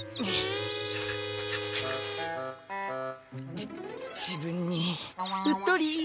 じ自分にうっとり。